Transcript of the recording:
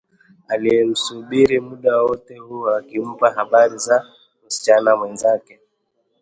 aliyemsubiri muda wote huo akimpa habari za msichana mwenzake